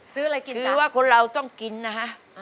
ซื้ออะไรกินซื้อว่าคนเราต้องกินนะฮะ